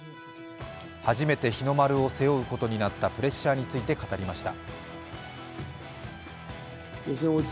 初めて日の丸を背負うことになったプレッシャーについて語りました。